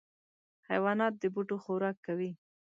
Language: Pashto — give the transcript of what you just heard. حیوانات د بوټو خوراک کوي.